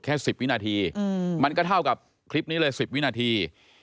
แค่๑๐วินาทีมันก็เท่ากับคลิปนี้เลย๑๐วินาที